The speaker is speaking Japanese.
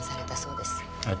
はい。